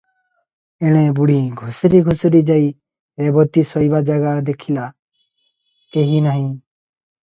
ଏଣେ ବୁଢ଼ୀ ଘୁଷୁରି ଘୁଷୁରି ଯାଇ ରେବତୀ ଶୋଇବା ଜାଗା ଦେଖିଲା, କେହି ନାହିଁ ।